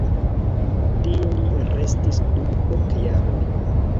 Tie li restis dum ok jaroj.